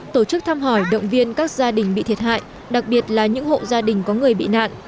tổ chức thăm hỏi động viên các gia đình bị thiệt hại đặc biệt là những hộ gia đình có người bị nạn